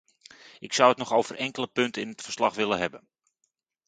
Ik zou het nog over enkele punten in het verslag willen hebben.